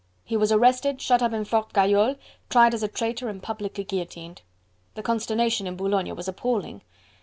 He was arrested, shut up in Fort Gayole, tried as a traitor and publicly guillotined. The consternation in Boulogne was appalling.